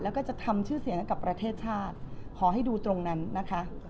แล้วก็จะทำชื่อเสียงให้กับประเทศชาติขอให้ดูตรงนั้นนะคะ